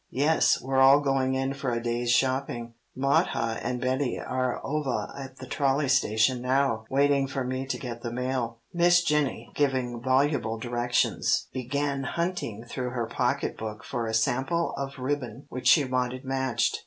Yes, we're all going in for a day's shopping. Mothah and Betty are ovah at the trolley station now, waiting for me to get the mail." Miss Jennie, giving voluble directions, began hunting through her pocketbook for a sample of ribbon which she wanted matched.